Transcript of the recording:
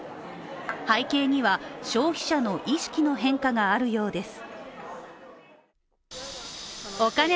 背景には消費者の意識の変化があるようです。